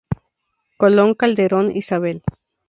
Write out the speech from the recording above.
Colón Calderón, Isabel.